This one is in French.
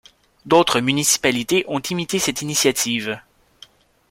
D'autres municipalités ont imité cette initiative.